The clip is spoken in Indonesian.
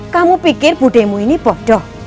kamu pikir budimu ini bodoh